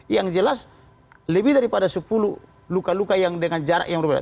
yang jelas lebih daripada sepuluh luka luka yang dengan jarak yang berbeda